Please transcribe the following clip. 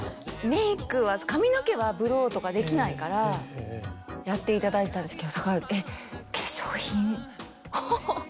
メイクは髪の毛はブローとかできないからやっていただいたんですけどだから。